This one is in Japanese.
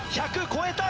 １００超えた？